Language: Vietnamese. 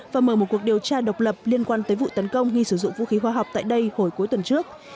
và mở một cuộc điều tra độc lập liên quan tới vụ tấn công khi sử dụng vũ khí hóa học tại đây hồi cuối tuần trước